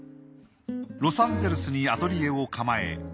ロサンゼルスにアトリエを構え